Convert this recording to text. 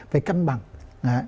phải cân bằng âm dương